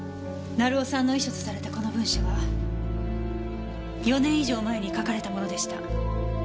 成尾さんの遺書とされたこの文書は４年以上前に書かれたものでした。